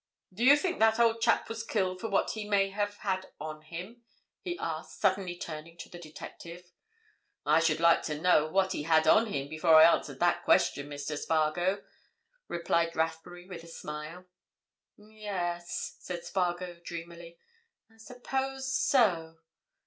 "Do you think that old chap was killed for what he may have had on him?" he asked, suddenly turning on the detective. "I should like to know what he had on him before I answered that question, Mr. Spargo," replied Rathbury, with a smile. "Yes," said Spargo, dreamily. "I suppose so.